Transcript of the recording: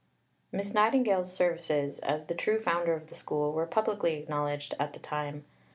Miss Nightingale's services as the true founder of the School were publicly acknowledged at the time.